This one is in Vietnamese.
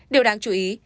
điều đáng chú ý